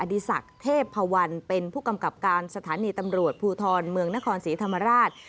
ดีศักดิ์เทพพวันเป็นผู้กำกับการสถานีตำรวจภูทรเมืองนครศรีธรรมราช